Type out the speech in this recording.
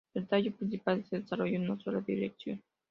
El tallo principal se desarrolla en una sola dirección.